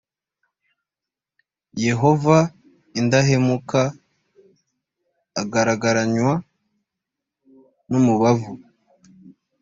yehova indahemuka agereranywa n umubavu.